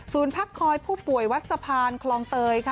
ศูนย์พักคอยผู้ป่วยวัดสะพานคลองเตย